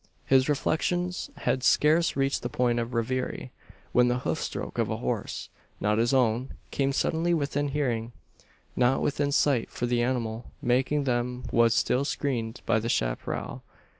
His reflections had scarce reached the point of reverie, when the hoof stroke of a horse not his own came suddenly within hearing. Not within sight: for the animal making them was still screened by the chapparal.